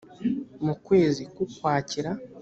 mu kwezi k ukwakira